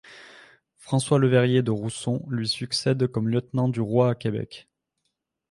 François Le Verrier de Rousson lui succède comme lieutenant du roi à Québec.